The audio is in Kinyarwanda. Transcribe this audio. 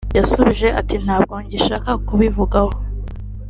yasubije ati “Ntabwo ngishaka kubivugaho